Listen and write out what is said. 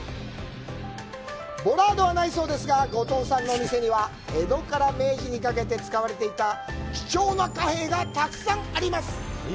ボラードはないそうですが後藤さんのお店には江戸から明治にかけて使われていた貴重な貨幣がたくさんあります。